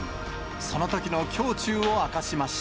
そのときの胸中を明かしました。